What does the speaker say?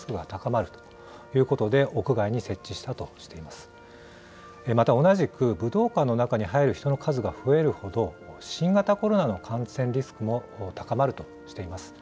また同じく、武道館の中に入る人の数が増えるほど、新型コロナの感染リスクも高まるとしています。